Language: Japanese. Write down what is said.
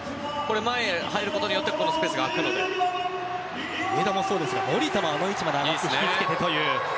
前に入ることによって上田もそうですが守田もあの位置に上がって引きつけて。